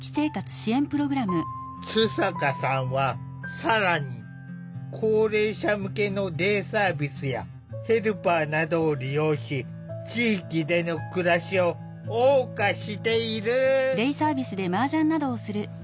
津坂さんは更に高齢者向けのデイサービスやヘルパーなどを利用し地域での暮らしをおう歌している。